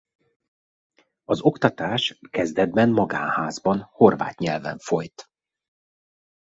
Az oktatás kezdetben magánházban horvát nyelven folyt.